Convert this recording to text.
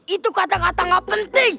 itu kata kata gak penting